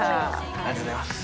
ありがとうございます。